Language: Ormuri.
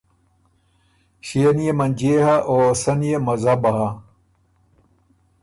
ݭيې نيې منجئے هۀ او سۀ نيې مذهب هۀ۔